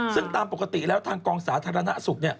ซึ่งตามปกติแล้วทางกองสาธารณสุข